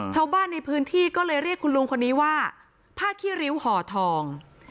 ชาวบ้านในพื้นที่ก็เลยเรียกคุณลุงคนนี้ว่าผ้าขี้ริ้วห่อทอง